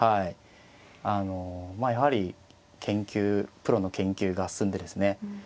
あのまあやはりプロの研究が進んでですね